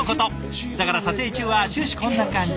だから撮影中は終始こんな感じ。